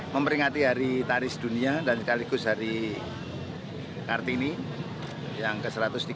memperingati hari taris dunia dan sekaligus hari kartini yang ke satu ratus tiga puluh